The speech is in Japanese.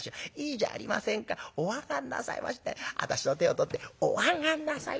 お上がんなさいまし』って私の手を取って『お上がんなさいまし。